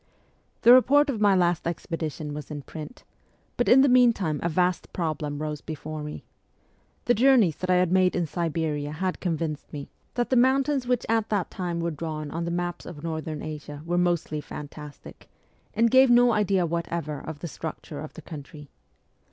The report of my last expediton was in print ; but in the meantime a vast problem rose before me. The journeys that I had made in Siberia had convinced me B 8 4 MEMOIRS OF A REVOLUTIONIST that the mountains which at that time were drawn on the maps of Northern Asia were mostly fantastic, and gave no idea whatever of the structure of the country.